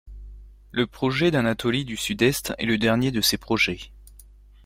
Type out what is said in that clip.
Le projet d'Anatolie du Sud-est est le dernier de ces projets.